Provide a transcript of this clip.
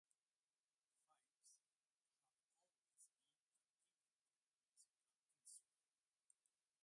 Fifes have always been an infantry musical instrument.